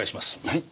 はい？